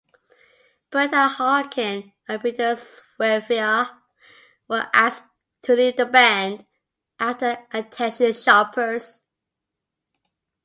Brendan Harkin and Pieter Sweval were asked to leave the band after Attention Shoppers!